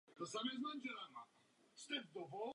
Na ostrově nejsou sami.